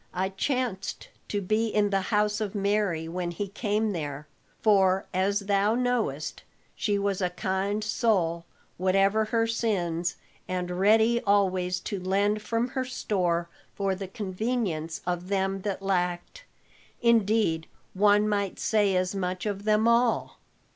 "I chanced to be in the house of Mary when he came there for as thou knowest, she was a kind soul, whatever her sins, and ready always to lend from her store for the convenience of them that lacked indeed one might say as much of them all."